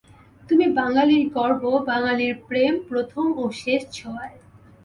তুমি বাঙ্গালীর গর্ব, বাঙ্গালীর প্রেম প্রথম ও শেষ ছোঁয়ায়।